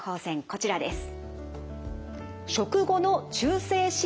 こちらです。